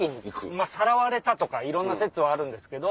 まぁさらわれたとかいろんな説はあるんですけど。